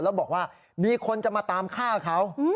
แล้วบอกว่ามีคนจะมาตามฆ่าเขา